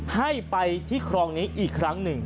ให้ไปที่ครองนี้อีกครั้งหนึ่ง